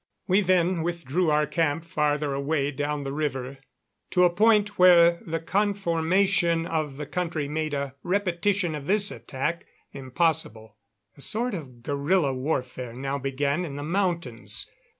We then withdrew our camp farther away down the river, to a point where the conformation of the country made a repetition of this attack impossible. A sort of guerrilla warfare now began in the mountains.